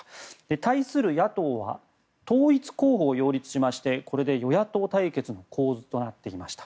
対する野党は統一候補を擁立しましてこれで与野党対決の構図となっていました。